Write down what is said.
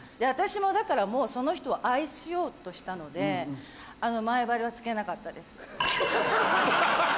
私もだからその人を愛そうとしたので前貼りはつけなかったです。